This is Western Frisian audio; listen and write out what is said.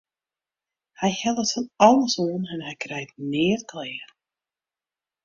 Hy hellet fan alles oan en hy krijt neat klear.